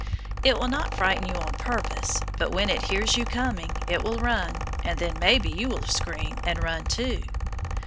It will not frighten you on purpose, but when it hears you coming, it will run, and then maybe you will scream and run too.